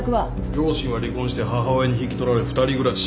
両親は離婚して母親に引き取られ二人暮らし。